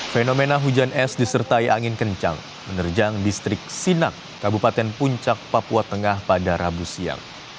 fenomena hujan es disertai angin kencang menerjang distrik sinang kabupaten puncak papua tengah pada rabu siang